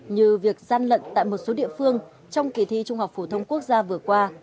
như việc gian lận tại một số địa phương trong kỳ thi trung học phổ thông quốc gia vừa qua